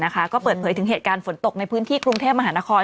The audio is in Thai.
ก็เปิดเผยถึงเหตุการณ์ฝนตกในพื้นที่กรุงเทพมหานคร